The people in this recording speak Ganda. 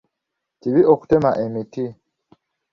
Kibi okutema emiti?